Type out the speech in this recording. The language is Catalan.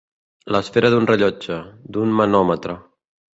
L'esfera d'un rellotge, d'un manòmetre.